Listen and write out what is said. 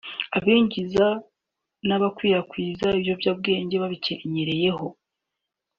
Abinjiza n’abakwirakwiza ibiyobyabwenge babikenyereraho